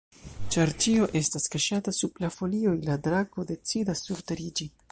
Ĉar ĉio estas kaŝata sub la folioj, la drako decidas surteriĝi.